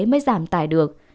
mới giảm tài được